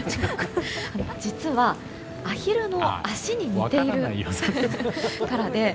実は、アヒルの足に似ているからで。